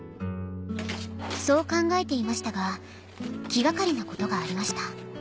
そう考えていましたが気掛かりなことがありました